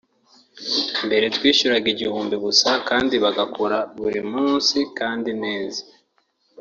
Mbere twishyuraga igihumbi gusa kandi bagakora buri munsi kandi neza